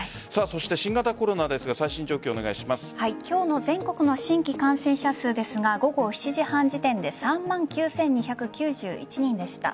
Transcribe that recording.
新型コロナですが今日の全国の新規感染者数ですが午後７時半時点で３万９２９１人でした。